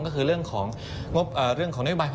ก็คือเรื่องของนโตนทรัมป์